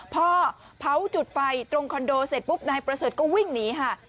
พ่อเผาจุดไฟตรงคอนโดเสร็จปุ๊บนายประเสริฐก็วิ่งหนีค่ะ